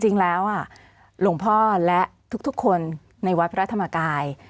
จริงแล้วหลวงพ่อและทุกคนในวัดพระธรรมกาย